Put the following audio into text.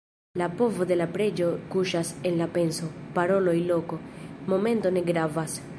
La povo de la preĝo kuŝas en la penso; paroloj, loko, momento ne gravas.